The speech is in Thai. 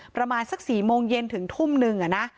ประมาณสัก๔โมงเย็นถึงทุ่มนึงนะ